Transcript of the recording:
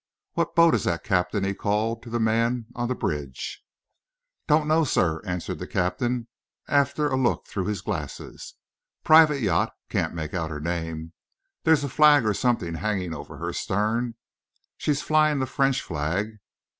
What boat is that, captain?" he called to the man on the bridge. "Don't know, sir," answered the captain, after a look through his glasses. "Private yacht can't make out her name there's a flag or something hanging over the stern. She's flying the French flag.